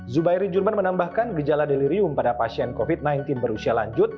zubairi jurman menambahkan gejala delirium pada pasien covid sembilan belas berusia lanjut